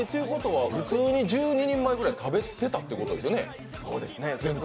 普通に１２人前ぐらい食べてたってことですよね、前回。